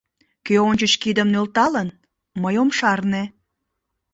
Кӧ ончыч кидым нӧлталын — мый ом шарне.